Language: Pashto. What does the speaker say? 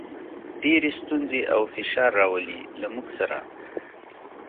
ډېرې ستونزې او فشار راولي، له موږ سره.